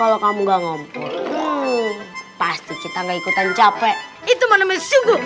akan jadi apa kak